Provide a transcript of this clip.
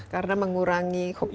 karena mengurangi kognitis